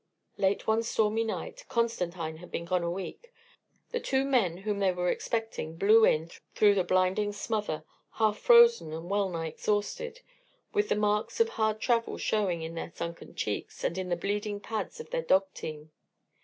Late one stormy night Constantine had been gone a week the two men whom they were expecting blew in through the blinding smother, half frozen and well nigh exhausted, with the marks of hard travel showing in their sunken cheeks and in the bleeding pads of their dog team.